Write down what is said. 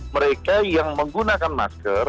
mereka yang menggunakan masker